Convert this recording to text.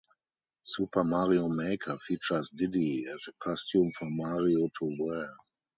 "Super Mario Maker" features Diddy as a costume for Mario to wear.